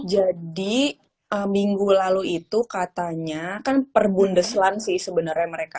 minggu lalu itu katanya kan perbundeslan sih sebenarnya mereka